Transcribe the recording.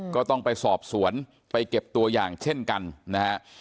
ก็ต้องไปสอบสวนไปเก็บตัวอย่างเช่นกันนะฮะ